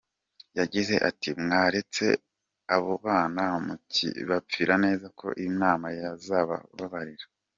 Yagize ati “mwaretse abo bana mukipfira neza ko n’Imana yazababarira?”.